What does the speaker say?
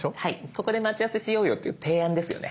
「ここで待ち合わせしようよ」という提案ですよね。